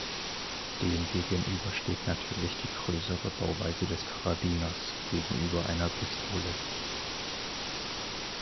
Demgegenüber steht natürlich die größere Bauweise des Karabiners gegenüber einer Pistole.